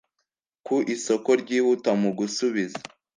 Uko isoko ryihuta mu gusubiza